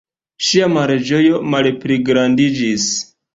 Ŝia malĝojo malpligrandiĝis.